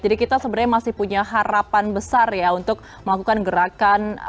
jadi kita sebenarnya masih punya harapan besar ya untuk melakukan gerakan